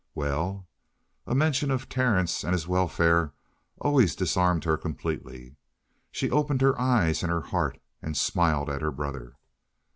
"Well?" A mention of Terence and his welfare always disarmed her completely. She opened her eyes and her heart and smiled at her brother.